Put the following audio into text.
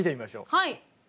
はい。